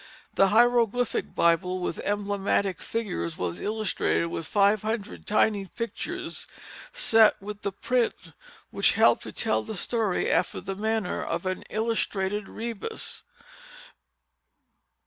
The Hieroglyphick Bible with Emblematick Figures was illustrated with five hundred tiny pictures set with the print, which helped to tell the story after the manner of an illustrated rebus.